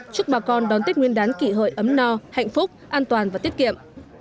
chúc bà con đón tích nguyên đán kỷ hội ấm no hạnh phúc an toàn và tiết kiệm